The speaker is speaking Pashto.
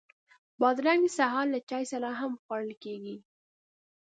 بادرنګ د سهار له چای سره هم خوړل کېږي.